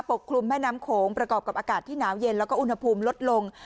กลุ่มแม่น้ำโขงประกอบกับอากาศที่หนาวเย็นแล้วก็อุณหภูมิลดลง